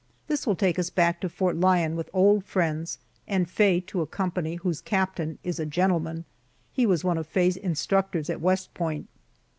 This will take us back to Fort Lyon with old friends, and Faye to a company whose captain is a gentleman. He was one of Faye's instructors at West Point.